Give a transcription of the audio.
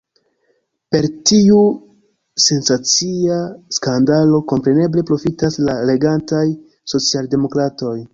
Per tiu sensacia skandalo kompreneble profitas la regantaj socialdemokratoj.